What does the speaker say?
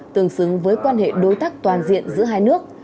tương xứng với quan hệ đối tác toàn diện giữa hai nước